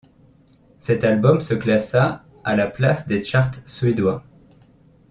Cet album se classa à la place des charts suédois.